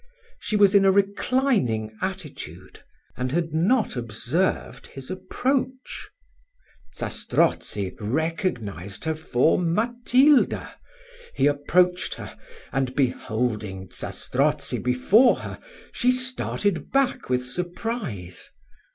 She was in a reclining attitude, and had not observed his approach. Zastrozzi recognised her for Matilda. He approached her, and beholding Zastrozzi before her, she started back with surprise.